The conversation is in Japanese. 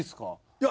いや。